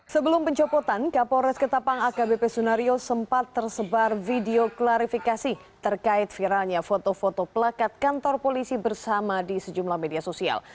sebelum pencopotan kapolres ketapang akbp sunario sempat tersebar video klarifikasi terkait viralnya foto foto pelakat kantor polisi bersama di sejumlah media sosial